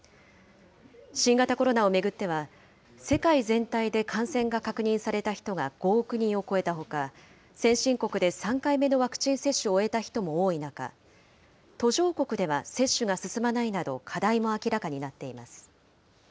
新型コロナを巡っては、世界全体で感染が確認された人が５億人を超えたほか、先進国で３回目のワクチン接種を終えた人も多い中、途上国では接種が進まないなど、課題も明らかになっています。